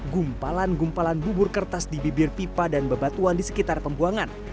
gumpalan gumpalan bubur kertas di bibir pipa dan bebatuan di sekitar pembuangan